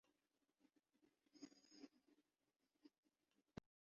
اس پر پابندی ایک معکوس عمل ہے۔